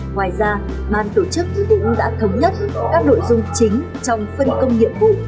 ngoài ra ban tổ chức cũng đã thống nhất các nội dung chính trong phân công nhiệm vụ